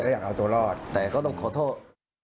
แล้วอยากเอาตัวรอดแต่ก็ต้องขอโทษ